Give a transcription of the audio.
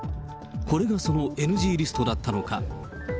これがそのＮＧリストだったのか。